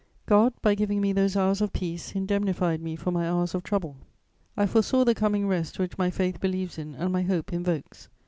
God, by giving me those hours of peace, indemnified me for my hours of trouble; I foresaw the coming rest which my faith believes in and my hope invokes.